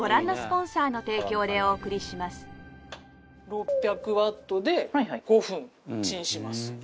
６００ワットで５分チンします。